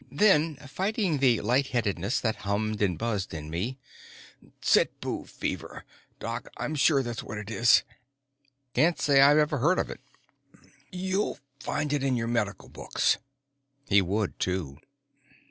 Then, fighting the light headedness that hummed and buzzed in me: "Tsitbu fever, Doc. I'm sure that's what it is." "Can't say I've ever heard of it." "You'll find it in your medical books." He would, too.